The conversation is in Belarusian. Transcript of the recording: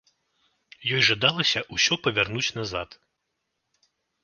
Ёй жадалася ўсё павярнуць назад.